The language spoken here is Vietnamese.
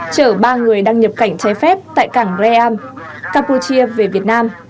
chở ba người đang nhập cảnh trái phép tại cảng bream campuchia về việt nam